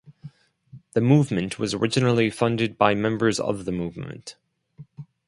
The movement was originally funded by members of the movement.